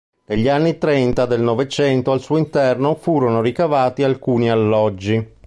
Negli anni trenta del Novecento al suo interno furono ricavati alcuni alloggi.